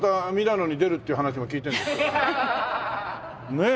ねえ？